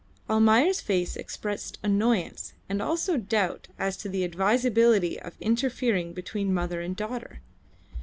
Almayer's face expressed annoyance and also doubt as to the advisability of interfering between mother and daughter.